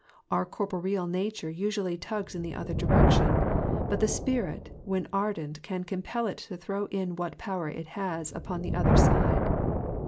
Our corporeal nature usually tugs in the other direction, but the spirit when ardent can compel it to throw in what power it has upon the other side.